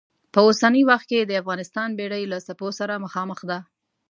په اوسني وخت کې د افغانستان بېړۍ له څپو سره مخامخ ده.